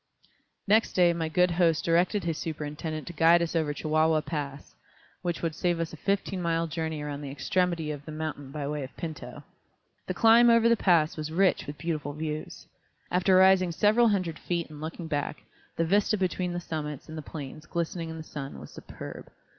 Next day my good host directed his superintendent to guide us over Chihuahua Pass, which would save us a fifteen mile journey around the extremity of the mountain by way of Pinto. The climb over the pass was rich with beautiful views. After rising several hundred feet and looking back, the vista between the summits and the plains glistening in the sun was superb.